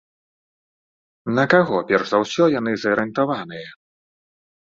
На каго перш за ўсё яны зарыентаваныя?